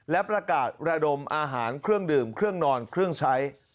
และประกาศระดมอาหารเครื่องดื่มเครื่องนอนเครื่องใช้